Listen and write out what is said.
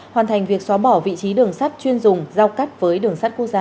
hoàn thành việc xóa bỏ vị trí đường sắt chuyên dùng giao cắt với đường sắt quốc gia